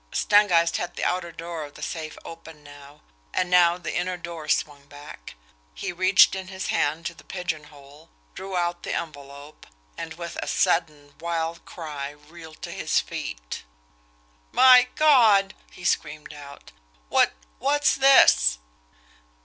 Stangeist had the outer door of the safe open now and now the inner door swung back. He reached in his hand to the pigeonhole, drew out the envelope and with a sudden, wild cry, reeled to his feet. "My God!" he screamed out. "What's what's this!"